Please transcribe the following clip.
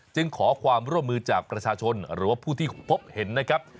ขอความร่วมมือจากประชาชนหรือว่าผู้ที่พบเห็นนะครับ